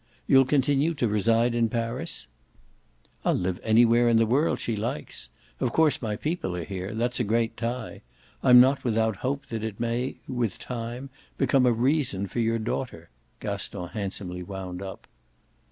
"You'll continue to reside in Paris?" "I'll live anywhere in the world she likes. Of course my people are here that's a great tie. I'm not without hope that it may with time become a reason for your daughter," Gaston handsomely wound up.